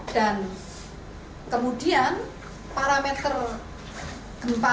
dan kemudian parameter gempa